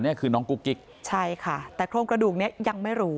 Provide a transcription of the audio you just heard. นี่คือน้องกุ๊กกิ๊กใช่ค่ะแต่โครงกระดูกเนี้ยยังไม่รู้